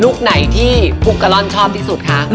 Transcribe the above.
คไหนที่ปุ๊กกะล่อนชอบที่สุดคะ